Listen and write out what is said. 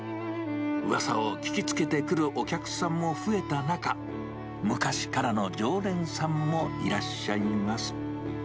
うわさを聞きつけてくるお客さんも増えた中、昔からの常連さんもいらっしゃいます。